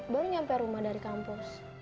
baru nyampe rumah dari kampus